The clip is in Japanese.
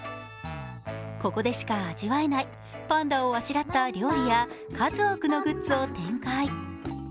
ここでしか味わえないパンダをあしらった料理や数多くのグッズを展開。